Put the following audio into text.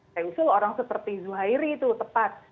saya usul orang seperti zuhairi itu tepat